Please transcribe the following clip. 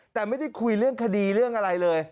แต่ไม่ได้คุยเรื่องคดีเรื่องอะไรเลย